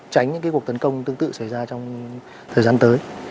tránh những cuộc tấn công tương tự xảy ra trong thời gian tới